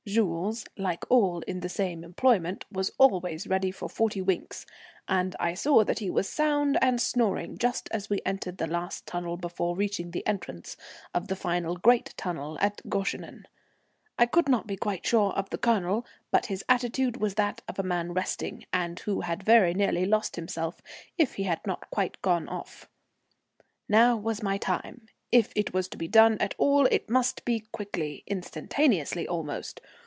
Jules, like all in the same employment, was always ready for forty winks, and I saw that he was sound and snoring just as we entered the last tunnel before reaching the entrance of the final great tunnel at Goeschenen. I could not be quite sure of the Colonel, but his attitude was that of a man resting, and who had very nearly lost himself, if he had not quite gone off. Now was my time. If it was to be done at all it must be quickly, instantaneously almost.